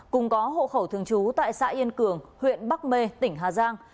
cùng có hộ khẩu thường trú tại xã yên cường huyện bắc mê tỉnh hà giang